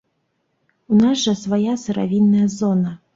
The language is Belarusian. У нас жа свая сыравінная зона!